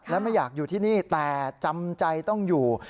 และไม่อยากอยู่ที่นี่แต่จำใจต้องอยู่